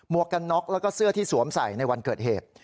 วกกันน็อกแล้วก็เสื้อที่สวมใส่ในวันเกิดเหตุ